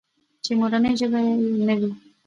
چې مورنۍ ژبه يې نه وي.